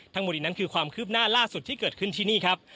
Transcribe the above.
ทั้งหมดนี้นั้นคือความคืบหน้าล่าสุดที่เกิดขึ้นที่นี่ครับ